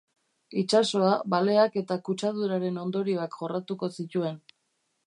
Itsasoa, baleak eta kutsaduraren ondorioak jorratuko zituen.